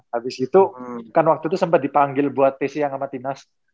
habis itu kan waktu itu sempet dipanggil buat tc yang sama tinas